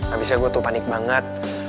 abisnya gue tuh panik banget